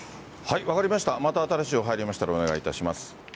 分かりました、また新しい情報が入りましたらお願いいたします。